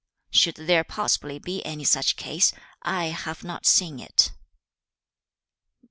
3. 'Should there possibly be any such case, I have not seen it.'